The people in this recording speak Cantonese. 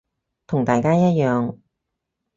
同大家一樣